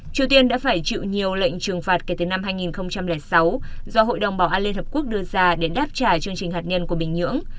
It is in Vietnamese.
triều tiên đã phải chịu nhiều lệnh trừng phạt kể từ năm hai nghìn sáu do hội đồng bảo an liên hợp quốc đưa ra để đáp trả chương trình hạt nhân của bình nhưỡng